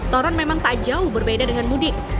toron memang tak jauh berbeda dengan mudik